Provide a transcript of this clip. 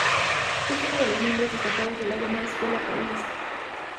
Es uno de los miembros destacados de la llamada Escuela Paulista.